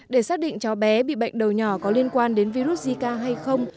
để xác định cháu bé bị bệnh đầu nhỏ có liên quan đến virus zika hay không